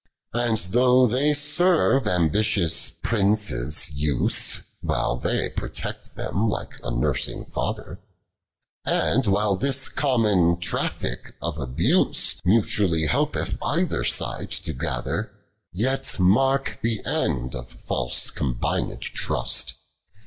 31. Ajid though they serve ambitious princes' use, AVhile they protect them like a nursing father, And while this common traffick of abuse Mutually helpcth cither side to gather ; Yet mark the end of false combint^d trust.